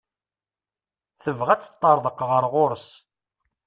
Tebɣa ad teṭṭerḍeq ɣer ɣur-s.